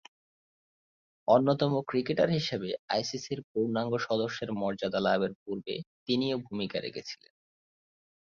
অন্যতম ক্রিকেটার হিসেবে আইসিসি’র পূর্ণাঙ্গ সদস্যের মর্যাদা লাভের পূর্বে তিনিও ভূমিকা রেখেছিলেন।